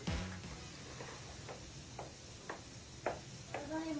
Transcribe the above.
ただいま。